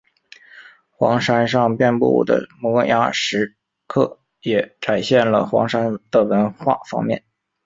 黄山上遍布的摩崖石刻也展现了黄山的文化方面。